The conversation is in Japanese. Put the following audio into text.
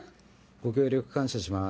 ご協力感謝します。